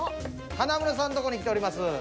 華丸さんのとこに来ております。